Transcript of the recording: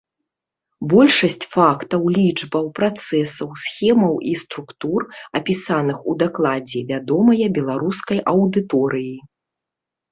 Большасць фактаў, лічбаў, працэсаў, схемаў і структур, апісаных у дакладзе, вядомая беларускай аўдыторыі.